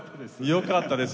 よかったです。